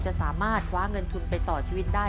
จะสามารถคว้าเงินทุนไปต่อชีวิตได้